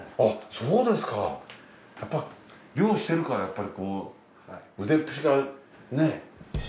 そうですかやっぱ漁してるから腕っぷしがね。